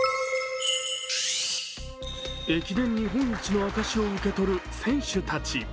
駅伝日本一の証しを受け取る選手たち。